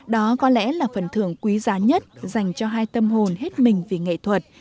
đó có lẽ là phần thưởng quý giá nhất dành cho hai tâm hồn hết mình vì nghệ thuật